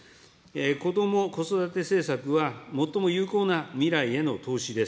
こども・子育て政策は、最も有効な未来への投資です。